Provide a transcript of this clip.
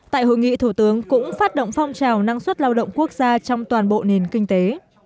tại hội nghị thủ tướng cũng phát động phong trào năng suất lao động quốc gia trong toàn bộ nền kinh tế